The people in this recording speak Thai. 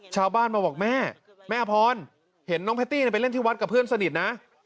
ชาวบ้านมาบอกแม่แม่อพรเห็นน้องแพตตี้ไปเล่นที่วัดกับเพื่อนสนิทนะ